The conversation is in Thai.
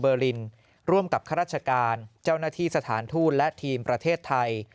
ลินร่วมกับข้าราชการเจ้าหน้าที่สถานทูตและทีมประเทศไทย